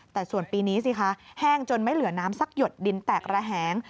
แต่ส่วนปีนี้สิคะแห้งจนไม่เหลือน้ำสักหยดดินแตกระแหง